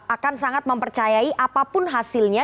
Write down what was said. akan sangat mempercayai apapun hasilnya